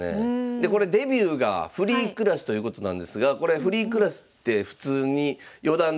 でこれデビューがフリークラスということなんですがこれフリークラスってはい。